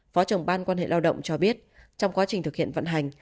phó trưởng ban quan hệ lao động cho biết trong quá trình thực hiện vận hành